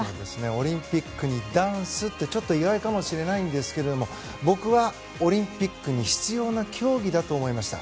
オリンピックにダンスってちょっと意外かもしれませんが僕はオリンピックに必要な競技だと思いました。